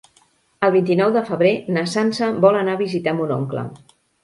El vint-i-nou de febrer na Sança vol anar a visitar mon oncle.